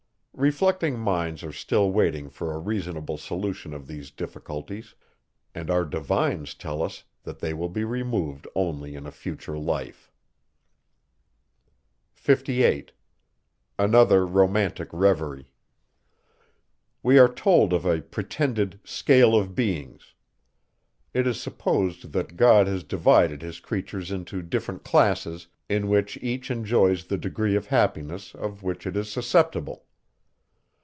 Reflecting minds are still waiting for a reasonable solution of these difficulties; and our divines tell us, that they will be removed only in a future life. 58. We are told of a pretended scale of beings. It is supposed, that God has divided his creatures into different classes, in which each enjoys the degree of happiness, of which it is susceptible.